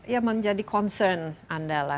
ya menjadi concern anda